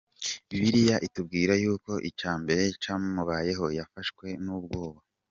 Bibiliya itubwira yuko icya mbere cyamubayeho, yafashwe n’ubwoba.